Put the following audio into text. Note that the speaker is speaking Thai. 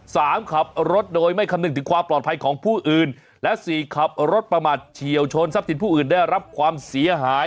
ขับรถโดยไม่คำนึงถึงความปลอดภัยของผู้อื่นและสี่ขับรถประมาทเฉียวชนทรัพย์สินผู้อื่นได้รับความเสียหาย